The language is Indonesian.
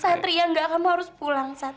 satria enggak kamu harus pulang